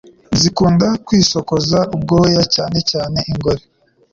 zikunda kwisokoza ubwoya cyanecyane ingore,